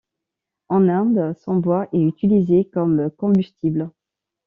En Inde, son bois est utilisé comme combustible.